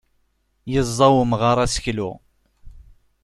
Yeẓẓa umɣar aseklu.